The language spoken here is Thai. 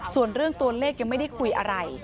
ส่วนเรื่องตัวเลขยังไม่ได้คุยอะไร